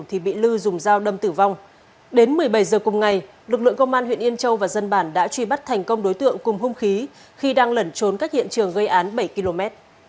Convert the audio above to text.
thì bị lư dùng dao đâm tử vong đến một mươi bảy h cùng ngày lực lượng công an huyện yên châu và dân bản đã truy bắt thành công đối tượng cùng hung khí khi đang lẩn trốn cách hiện trường gây án bảy km